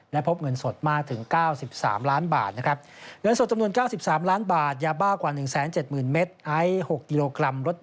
และพบเงินสดมาถึง๙๓ล้านบาท